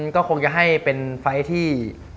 ก็คงจะให้เป็นไฟล์ที่